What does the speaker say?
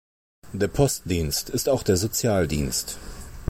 Der Postdienst ist auch der Sozialdienst.